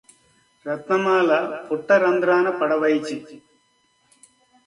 రత్నమాల పుట్ట రంధ్రాన పడవైచి